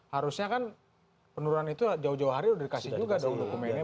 harusnya kan penurunan itu jauh jauh hari udah dikasih juga dong dokumennya